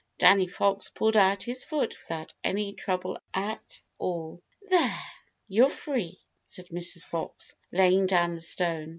Danny Fox pulled out his foot without any trouble at all. "There, you're free," said Mrs. Fox, laying down the stone.